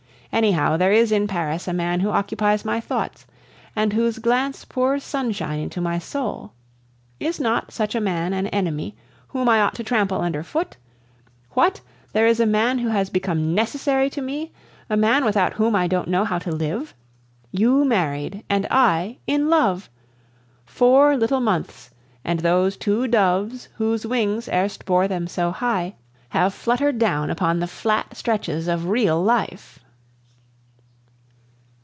Anyhow, there is in Paris a man who occupies my thoughts, and whose glance pours sunshine into my soul. Is not such a man an enemy, whom I ought to trample under foot? What? There is a man who has become necessary to me a man without whom I don't know how to live! You married, and I in love! Four little months, and those two doves, whose wings erst bore them so high, have fluttered down upon the flat stretches of real life!